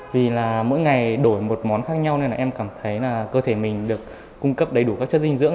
vì mỗi ngày đổi một món khác nhau nên em cảm thấy cơ thể mình được cung cấp đầy đủ các chất dinh dưỡng